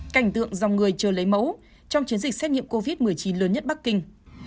cảnh tượng dòng người chờ lấy mẫu trong chiến dịch xét nghiệm covid một mươi chín lớn nhất bắc kinh